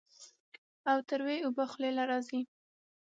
او تروې اوبۀ خلې له راځي